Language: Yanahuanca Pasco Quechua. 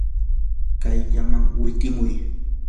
kayllaman witimuy.